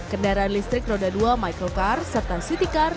kendaraan listrik roda dua michael carr serta city car